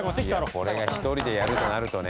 これが１人でやるとなるとね。